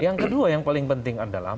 yang kedua yang paling penting adalah